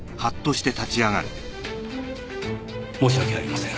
申し訳ありません。